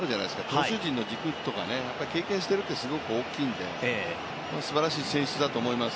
投手陣の軸とか、やっぱり経験しているって大きいんで、すばらしい選出だと思います。